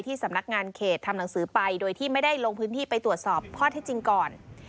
สำนักงานเขตทำหนังสือไปโดยที่ไม่ได้ลงพื้นที่ไปตรวจสอบข้อเท็จจริงก่อน